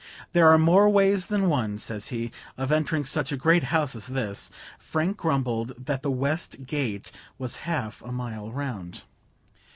"There are more ways than one," says he, "of entering such a great house as this." Frank grumbled that the west gate was half a mile round.